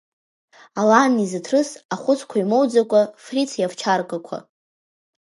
Ала анизыҭрыс, ахәыцха имоуӡакәа, Фриц иавчаркақәа…